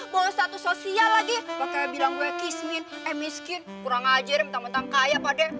bawa status sosial lagi pake bilang gue kismin eh miskin kurang ajar mentang mentang kaya pade